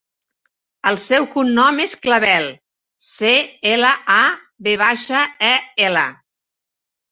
El seu cognom és Clavel: ce, ela, a, ve baixa, e, ela.